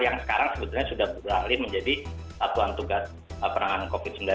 yang sekarang sebetulnya sudah beralih menjadi satuan tugas penanganan covid sembilan belas